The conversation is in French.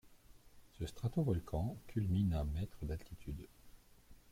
Ce stratovolcan culmine à mètres d'altitude.